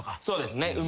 そうですね。